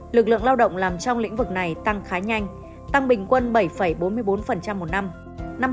lực lượng lao động làm trong lĩnh vực này tăng khá nhanh tăng bình quân bảy bốn mươi bốn một năm